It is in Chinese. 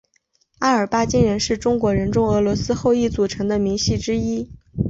阿尔巴津人是中国人中俄罗斯后裔组成的民系之一。